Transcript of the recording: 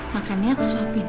makannya aku suapin